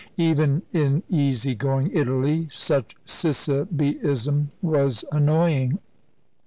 Even in easy going Italy such cicisbeism was annoying.